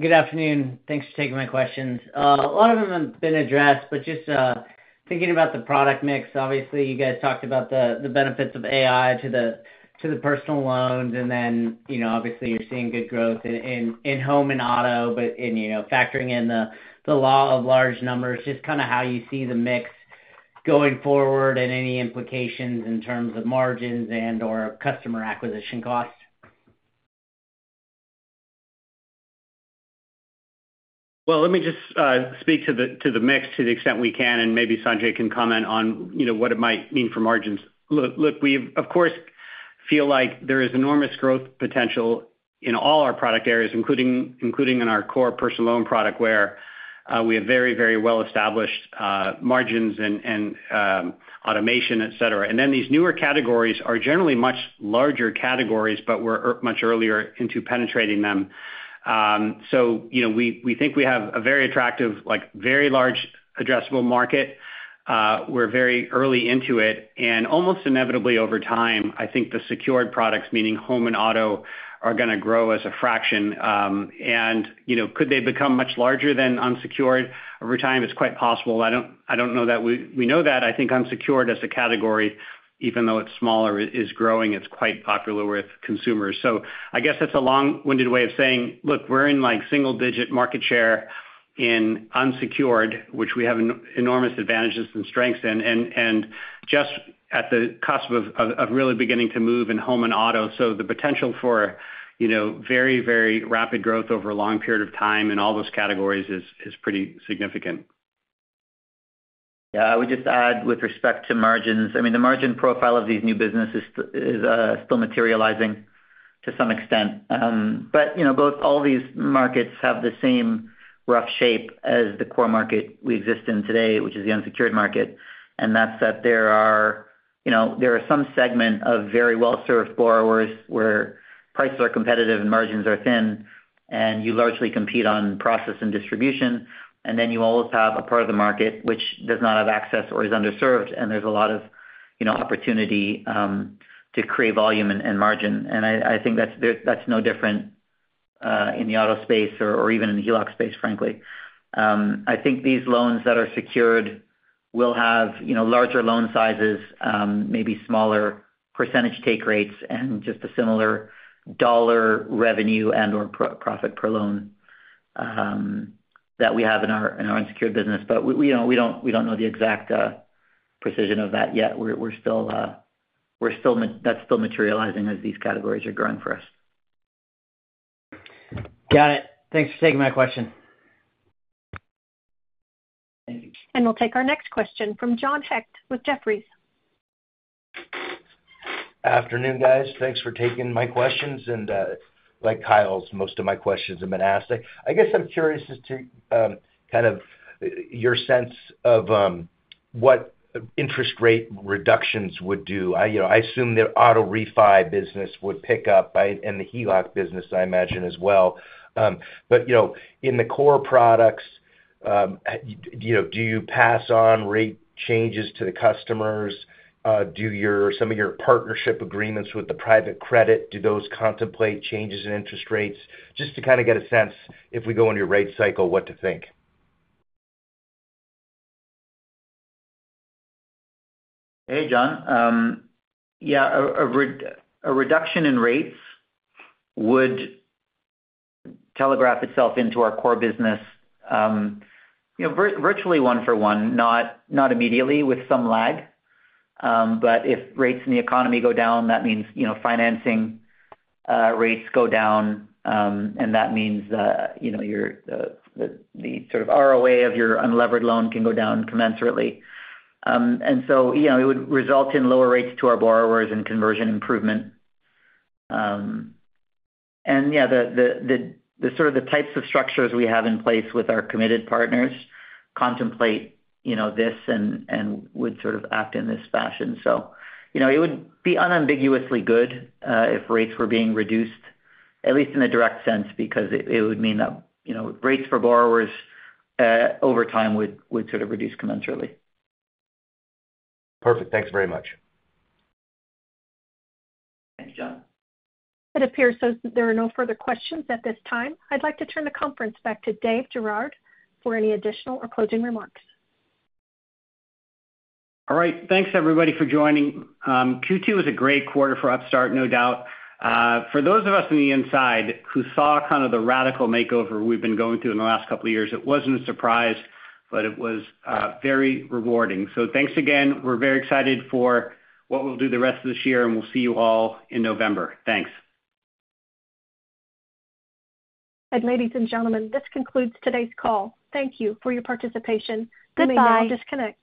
good afternoon. Thanks for taking my questions. A lot of them have been addressed, just thinking about the product mix, obviously, you guys talked about the benefits of AI to the personal loans. Obviously, you're seeing good growth in home and auto, factoring in the law of large numbers, just kind of how you see the mix going forward and any implications in terms of margins and/or customer acquisition costs. Let me just speak to the mix to the extent we can, and maybe Sanjay can comment on what it might mean for margins. Look, we of course feel like there is enormous growth potential in all our product areas, including in our core personal loan product where we have very, very well-established margins and automation, etc. These newer categories are generally much larger categories, but we're much earlier into penetrating them. We think we have a very attractive, very large addressable market. We're very early into it. Almost inevitably over time, I think the secured products, meaning home and auto, are going to grow as a fraction. Could they become much larger than unsecured over time? It's quite possible. I don't know that we know that. I think unsecured as a category, even though it's smaller, is growing. It's quite popular with consumers. I guess that's a long-winded way of saying, look, we're in single-digit market share in unsecured, which we have enormous advantages and strengths in, and just at the cusp of really beginning to move in home and auto. The potential for very, very rapid growth over a long period of time in all those categories is pretty significant. Yeah, I would just add with respect to margins, the margin profile of these new businesses is still materializing to some extent. Both all these markets have the same rough shape as the core market we exist in today, which is the unsecured market. There are some segments of very well-served borrowers where prices are competitive and margins are thin, and you largely compete on process and distribution. You also have a part of the market which does not have access or is underserved, and there's a lot of opportunity to create volume and margin. I think that's no different in the auto space or even in the HELOC space, frankly. I think these loans that are secured will have larger loan sizes, maybe smaller percentage take rates, and just a similar dollar revenue and/or profit per loan that we have in our unsecured business. We don't know the exact precision of that yet. That's still materializing as these categories are growing for us. Got it. Thanks for taking my question. We will take our next question from John Hecht with Jefferies. Afternoon, guys. Thanks for taking my questions. Like Kyle's, most of my questions have been asked. I'm curious as to your sense of what interest rate reductions would do. I assume the auto refi business would pick up and the HELOC business, I imagine, as well. In the core products, do you pass on rate changes to the customers? Do some of your partnership agreements with the private credit, do those contemplate changes in interest rates? Just to get a sense, if we go into your rate cycle, what to think. Hey, John. Yeah, a reduction in rates would telegraph itself into our core business virtually one for one, not immediately, with some lag. If rates in the economy go down, that means financing rates go down, and that means the sort of ROA of your unlevered loan can go down commensurately. It would result in lower rates to our borrowers and conversion improvement. The types of structures we have in place with our committed partners contemplate this and would act in this fashion. It would be unambiguously good if rates were being reduced, at least in a direct sense, because it would mean that rates for borrowers over time would reduce commensurately. Perfect. Thanks very much. Thanks, John. It appears there are no further questions at this time. I'd like to turn the conference back to Dave Girouard for any additional or closing remarks. All right. Thanks, everybody, for joining. Q2 was a great quarter for Upstart, no doubt. For those of us on the inside who saw kind of the radical makeover we've been going through in the last couple of years, it wasn't a surprise, but it was very rewarding. Thanks again. We're very excited for what we'll do the rest of this year, and we'll see you all in November. Thanks. Ladies and gentlemen, this concludes today's call. Thank you for your participation. You may now disconnect. Goodbye.